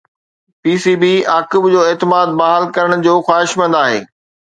P C B عاقب جو اعتماد بحال ڪرڻ جو خواهشمند آهي